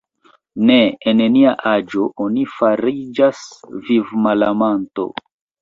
Ne en nia aĝo oni fariĝas vivmalamanto.